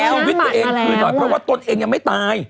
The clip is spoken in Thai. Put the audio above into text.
ชีวิตตัวเองคืนหน่อยเพราะว่าตนเองยังไม่ตาย